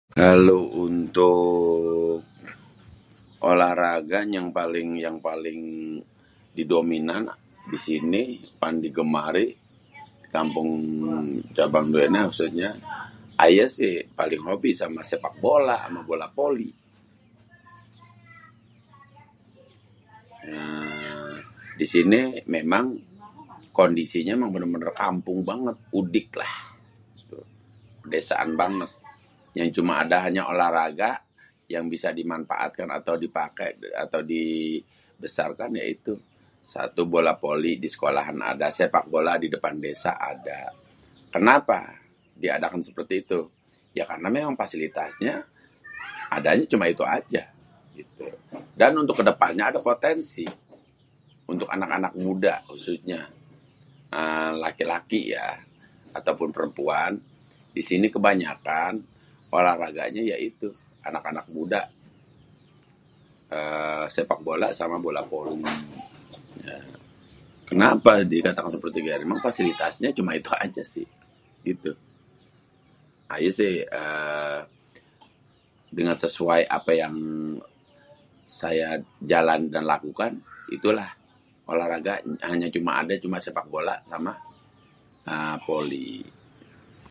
Kalo untuk olahraga yang paling dominan disini yang digemari di kampung cabangdua ini. Ayê si paling hoby amê sepak bola, amê bola voly. 'èèèè' disini memang kondisinya memang bênêr-bênêr kampung banget, udik lah, pedesaan banget. Yang cuma ada olah raga yang bisa dimanfaatkan atau bisa dipakai atau dibesarkan ya itu satu bola voly diseolahan ada, sepak bola di depan desa ada. Kenapa diadakan seperti itu ya karena memang fasilitasnya adanya cuma itu aja gitu dan untuk kedepannya adê potensi untuk anak-anak muda khususnya 'aaa' laki-laki ya ataupun perempuan disini kebanyakan olah raganya ya itu anak-anak muda'aaa' sepak bola sama bola voly 'aaa'. Kenapa dikatakan seperti itu emang fasilitasnya emang itu aja si gitu. Ayê si 'èèè' dengan sesuai apa yang saya jalankan lakukan itulah olahraga hanya cuma ada sepak bola sama bola voly.